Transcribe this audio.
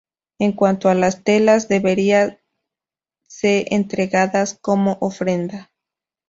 En cuanto a las telas, deberían se entregadas como ofrenda.